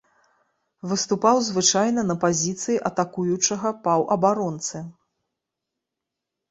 Выступаў звычайна на пазіцыі атакуючага паўабаронцы.